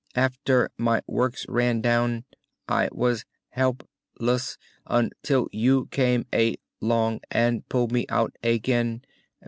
Af ter my works ran down I was help less un til you came a long and pulled me out a gain.